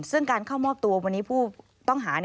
ซึ่งการเข้ามอบตัววันนี้ผู้ต้องหา